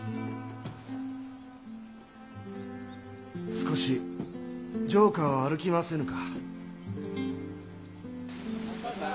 少し城下を歩きませぬか。